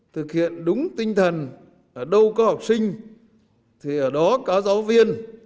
thực hiện đúng tinh thần ở đâu có học sinh thì ở đó có giáo viên